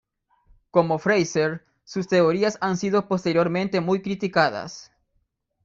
Como Frazer, sus teorías han sido posteriormente muy criticadas.